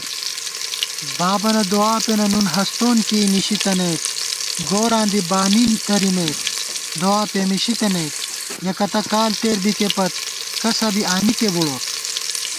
بابَنہ دُعا پېنہ نُن ہستون کېئ نِشِتَنَئیک * گوراں دی بانی درِمېک دُعاپېمېشی تنَئیک یَکَتہ کال تېر بِکےپت کسہ بی آنِکےبُڑوت